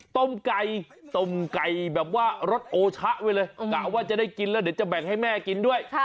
ต้มไก่ต้มไก่แบบว่ารสโอชะไว้เลยกะว่าจะได้กินแล้วเดี๋ยวจะแบ่งให้แม่กินด้วย